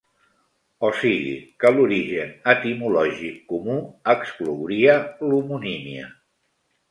O sigui que l'origen etimològic comú exclouria l'homonímia.